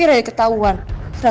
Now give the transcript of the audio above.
lo naik ke punggung gue ya